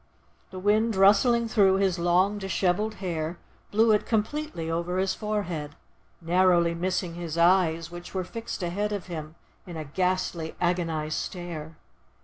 The wind rustling through his long dishevelled hair, blew it completely over his forehead, narrowly missing his eyes, which were fixed ahead of him in a ghastly, agonised stare.